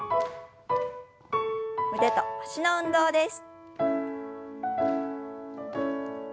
腕と脚の運動です。